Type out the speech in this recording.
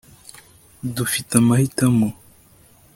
dufite amahitamo